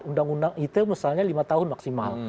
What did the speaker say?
undang undang ite misalnya lima tahun maksimal